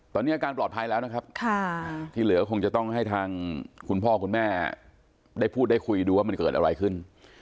ตอนนี้อาการปลอดภัยแล้วนะครับที่เหลือคงจะต้องให้ทางคุณพ่อคุณแม่ได้พูดได้คุยดูว่ามันเกิดอะไรขึ้น